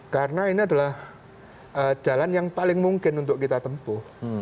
karena ini adalah jalan yang paling mungkin untuk kita tempuh